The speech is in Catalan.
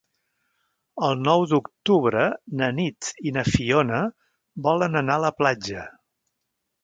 El nou d'octubre na Nit i na Fiona volen anar a la platja.